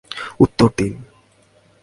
উত্তর দিন।